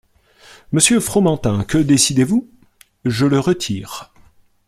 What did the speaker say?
Monsieur Fromantin, que décidez-vous ? Je le retire.